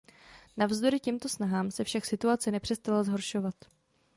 Navzdory těmto snahám se však situace nepřestala zhoršovat.